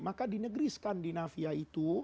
maka di negeri skandinavia itu